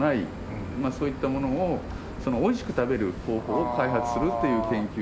そういったものをおいしく食べる方法を開発するという研究。